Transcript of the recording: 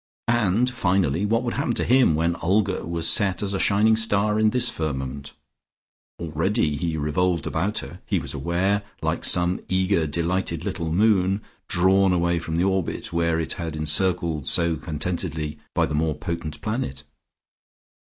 And finally, what would happen to him, when Olga was set as a shining star in this firmament? Already he revolved about her, he was aware, like some eager delighted little moon, drawn away from the orbit where it had encircled so contentedly by the more potent planet.